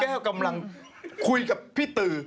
กำลังคุยกับพี่ตือ